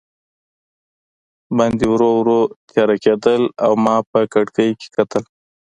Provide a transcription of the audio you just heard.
باندې ورو ورو تیاره کېدل او ما په کړکۍ کې کتل.